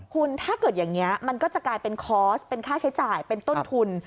คุณถ้าเกิดอย่างนี้มันก็จะกลายเป็นคอร์สเป็นค่าใช้จ่ายเป็นต้นทุน